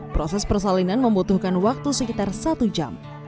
proses persalinan membutuhkan waktu sekitar satu jam